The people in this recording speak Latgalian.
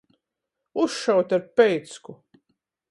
Uzšaut ar peicku.